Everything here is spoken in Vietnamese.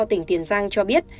tỉnh tiền giang cho biết